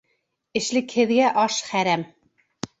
Эшлекһеҙгә аш хәрәм.